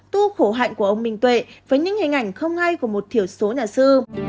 tu khổ hạnh của ông minh tuệ với những hình ảnh không hay của một thiểu số nhà sư